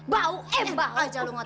bau embah aja lo ngotot